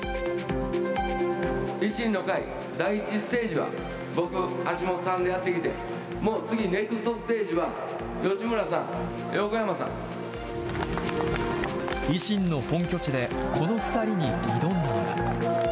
維新の会、第１ステージは僕、橋下さんでやってきて、もう次、ネクストステージは、吉村さん、維新の本拠地で、この２人に挑んだのが。